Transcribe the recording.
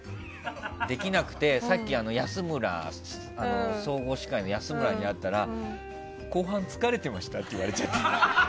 できなくてさっき、総合司会の安村に会ったら後半、疲れてました？って言われちゃった。